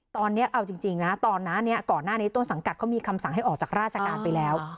ตอนนี้เอาจริงนะตอนนี้ก่อนหน้านี้ต้นสังกัดเขามีคำสั่งให้ออกจากราชการไปแล้ว